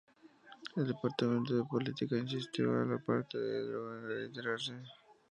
El Departamento de Policía instó a la parte pro-Erdoğan a retirarse.